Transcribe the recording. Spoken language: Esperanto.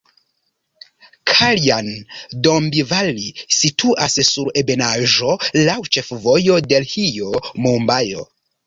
Kaljan-Dombivali situas sur ebenaĵo laŭ ĉefvojo Delhio-Mumbajo.